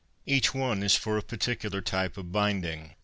Each one is for a particular type of binding.